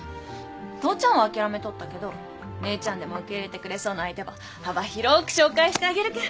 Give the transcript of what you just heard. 父ちゃんは諦めとったけど姉ちゃんでも受け入れてくれそうな相手ば幅広く紹介してあげるけん。